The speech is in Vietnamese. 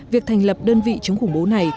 việc thành lập đơn vị chống khủng bố này